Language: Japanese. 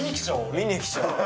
見に来ちゃう。